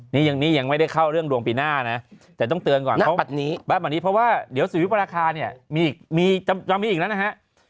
นี่ยังไม่ได้เข้าเรื่องวงปีหน้านะแต่ต้องเตือนก่อนว่าเดี๋ยวสิริทธิ์ปราคาจะมีอีกแล้วนะฮะ